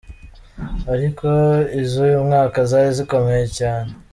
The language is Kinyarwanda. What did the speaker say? Ariko iz’uyu mwaka zari zikomeye cyane.